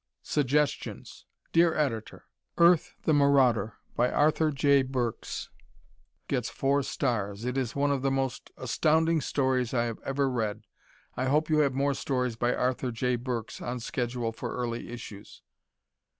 Suggestions Dear Editor: "Earth, the Marauder," by Arthur J. Burks, gets four stars. It is one of the most astounding stories I have ever read. I hope you have more stories by Arthur J. Burks on schedule for early issues.